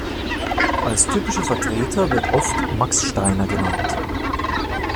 Als typischer Vertreter wird oft Max Steiner genannt.